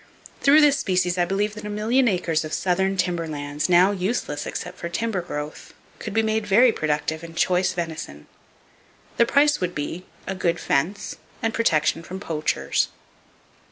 Through this species I believe that a million acres of southern timber lands, now useless except for timber growth, could be made very productive in choice venison. The price would be,—a good fence, and protection from poachers.